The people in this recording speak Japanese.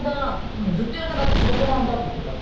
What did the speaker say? ずっとやりたかった仕事なんだ」って言ってた。